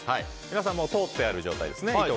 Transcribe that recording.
皆さん、糸が通ってる状態ですね。